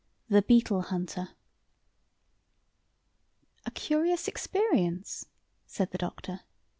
The Beetle Hunter A curious experience? said the Doctor.